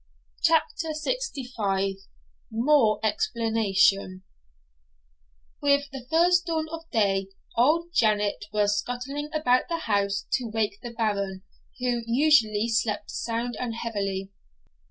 CHAPTER LXV MORE EXPLANATION With the first dawn of day, old Janet was scuttling about the house to wake the Baron, who usually slept sound and heavily.